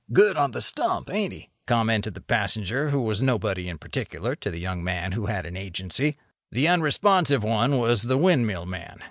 "Good on the stump, ain't he?" commented the passenger who was nobody in particular to the young man who had an Agency. The unresponsive one was the windmill man.